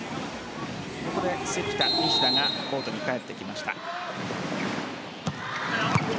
関田、西田がコートに帰ってきました。